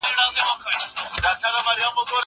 زه به سبا د کتابتون کتابونه ولوستم!؟